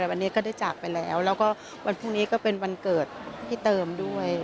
แต่วันนี้ก็ได้จากไปแล้วแล้วก็วันพรุ่งนี้ก็เป็นวันเกิดพี่เติมด้วย